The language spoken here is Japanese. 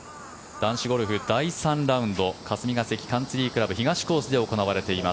男子ゴルフ第３ラウンド霞ヶ関カンツリー倶楽部東コースで行われています